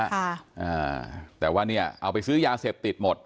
อ่าแต่ว่าเนี่ยเอาไปซื้อยาเสพติดหมด